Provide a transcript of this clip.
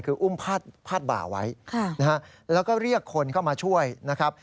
คืออุ้มพาดบ่าไว้แล้วก็เรียกคนเข้ามาช่วยนะครับ